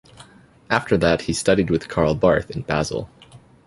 After that he studied with Karl Barth in Basel.